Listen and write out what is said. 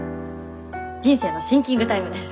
人生のシンキングタイムです。